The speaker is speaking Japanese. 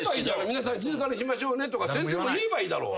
「皆さん静かにしましょうね」とか先生も言えばいいだろう？